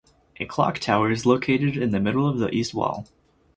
A clock tower is located in the middle of the east wall.